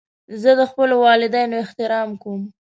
زه د خپلو والدینو احترام کوم.